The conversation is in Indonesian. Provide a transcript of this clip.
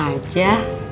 biasa gomelin cewe ya